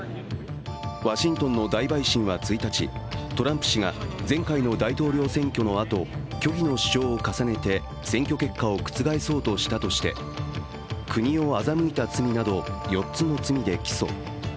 ワシントンの大陪審は１日、トランプ氏が前回の大統領選挙のあと、虚偽の主張を重ねて選挙結果を覆そうとしたして、国を欺いた罪など４つの罪で起訴。